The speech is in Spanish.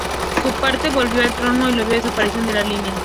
Su padre volvió al trono y vio la desaparición de la línea.